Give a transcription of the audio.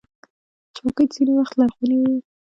چوکۍ ځینې وخت لرغونې وي.